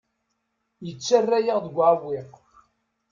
Yettarra-yaɣ deg uɛewwiq.